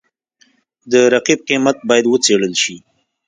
د رقیب قیمت باید وڅېړل شي.